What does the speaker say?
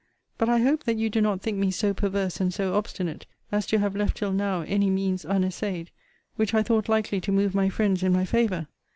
But I hope that you do not think me so perverse, and so obstinate, as to have left till now any means unessayed which I thought likely to move my friends in my favour.